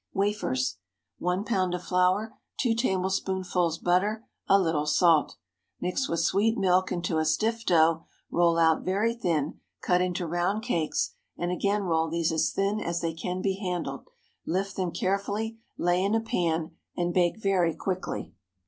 WAFERS. ✠ 1 pound of flour. 2 tablespoonfuls butter. A little salt. Mix with sweet milk into a stiff dough, roll out very thin, cut into round cakes, and again roll these as thin as they can be handled. Lift them carefully, lay in a pan, and bake very quickly.